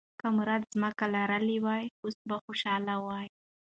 که مراد ځمکه لرلی وای، اوس به خوشاله و.